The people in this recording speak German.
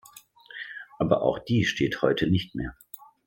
Aber auch die steht heute nicht mehr.